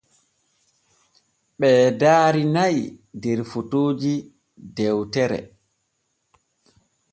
Ɓee daari na’i der fotooji dewtere.